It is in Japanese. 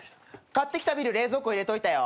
買ってきたビール冷蔵庫入れといたよ。